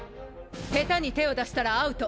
下手に手を出したらアウト。